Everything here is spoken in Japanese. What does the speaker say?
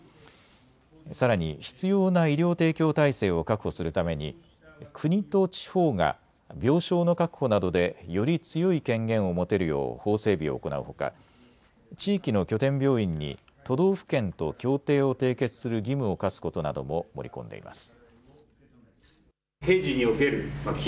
さらに必要な医療提供体制を確保するために国と地方が病床の確保などでより強い権限を持てるよう法整備を行うほか地域の拠点病院に都道府県と協定を締結する義務を課すことなども盛り込んでいます。